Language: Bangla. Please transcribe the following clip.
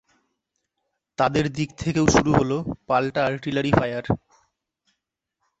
তাদের দিক থেকেও শুরু হলো পাল্টা আর্টিলারি ফায়ার।